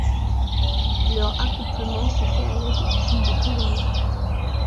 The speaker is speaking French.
Leur accouplement se fait à l'aide d'une des pédales.